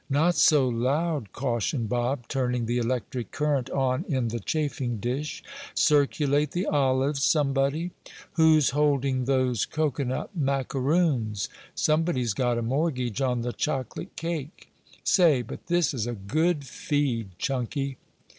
"Not so loud!" cautioned Bob, turning the electric current on in the chafing dish. "Circulate the olives, somebody!" "Who's holding those cocoanut macaroons?" "Somebody's got a mortgage on the chocolate cake!" "Say, but this is a good feed, Chunky!"